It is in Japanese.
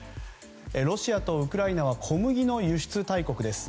ロシアとウクライナは小麦の輸出大国です。